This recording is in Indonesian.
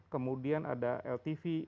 kemudian ada ltv